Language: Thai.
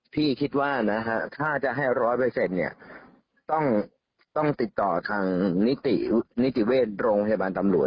พี่คิดว่านะฮะถ้าจะให้ร้อยเปอร์เซ็นต์ต้องติดต่อทางนิติเวทโรงพยาบาลตำรวจ